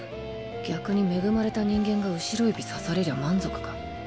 逆に恵まれた人間が後ろ指さされりゃ満足か？